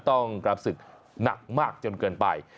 ต้องกราบสิทธิ์หนักมากจนเกินไป